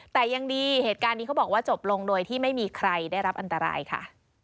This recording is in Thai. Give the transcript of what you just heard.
แต่ยังดีเหตุการณ์นี้เขาบอกว่าจบลงโดยที่ไม่มีใครได้รับอันตรายค่ะ